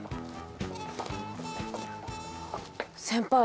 先輩